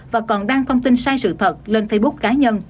và còn đăng thông tin sai sự thật lên facebook cá nhân